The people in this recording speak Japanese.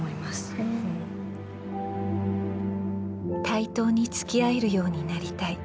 「対等につきあえるようになりたい」。